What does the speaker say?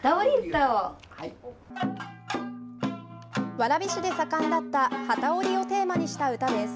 蕨市で盛んだった機織りをテーマにした歌です。